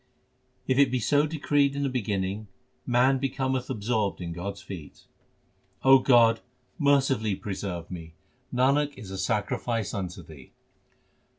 If it be so decreed in the beginning, man becometh absorbed in God s feet. O God, mercifully preserve me ; Nanak is a sacrifice unto Thee.